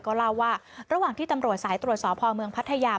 ก็เล่าว่าระหว่างที่ตำรวจสายตรวจสอบพอเมืองพัทยา